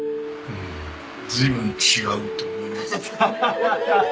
随分違うと思います。